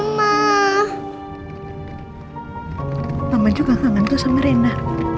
mama juga kangen tuh sama rena